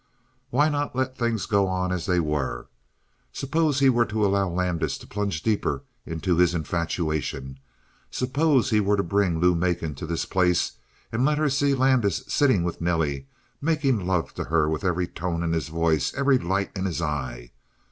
Why not let things go on as they were? Suppose he were to allow Landis to plunge deeper into his infatuation? Suppose he were to bring Lou Macon to this place and let her see Landis sitting with Nelly, making love to her with every tone in his voice, every light in his eye?